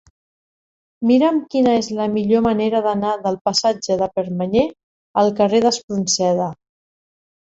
Mira'm quina és la millor manera d'anar del passatge de Permanyer al carrer d'Espronceda.